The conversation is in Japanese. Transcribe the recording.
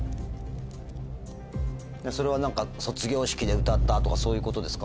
それは何か卒業式で歌ったとかそういうことですか？